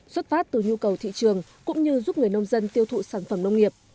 xuất phát từ nhu cầu thị trường cũng như giúp người nông dân tiêu thụ sản phẩm nông nghiệp